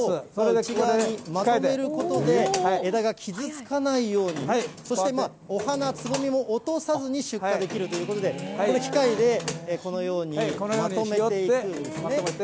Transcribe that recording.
機械にまとめることで、枝が傷つかないように、そしてお花、つぼみも落とさずに出荷できるということで、この機械で、このようにまとめていくんですね。